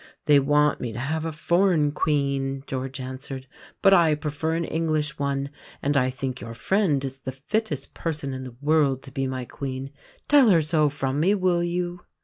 "They want me to have a foreign Queen," George answered, "but I prefer an English one; and I think your friend is the fittest person in the world to be my Queen. Tell her so from me, will you?"